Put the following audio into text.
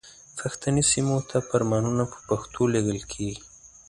پښتني سیمو ته فرمانونه په پښتو لیږل کیږي.